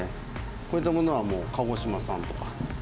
こういったものは、もう鹿児島産とか。